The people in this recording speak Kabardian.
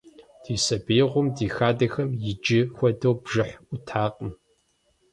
Ди сабиигъуэм ди хадэхэм иджы хуэдэу бжыхь Ӏутакъым.